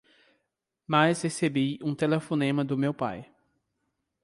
Mas recebi um telefonema do meu pai.